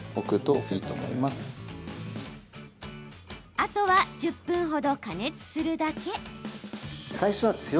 あとは１０分ほど加熱するだけ。